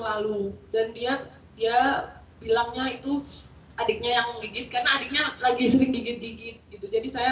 lalu dan dia dia bilangnya itu adiknya yang gigit karena adiknya lagi sering digit gigit gitu jadi saya